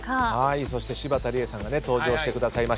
そして柴田理恵さんがね登場してくださいました。